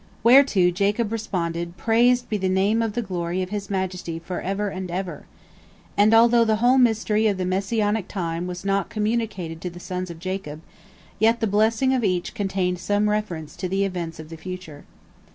Whereto Jacob responded, "Praised be the Name of the glory of His majesty forever and ever!" And although the whole mystery of the Messianic time was not communicated to the sons of Jacob, yet the blessing of each contained some reference to the events of the future.